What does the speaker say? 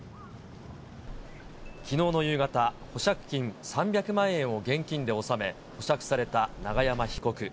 きのうの夕方、保釈金３００万円を現金で納め、保釈された永山被告。